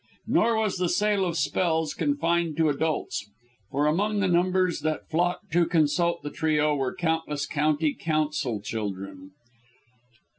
Nor was the sale of spells confined to adults; for among the numbers, that flocked to consult the trio, were countless County Council children.